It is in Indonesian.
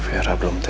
vera belum tahu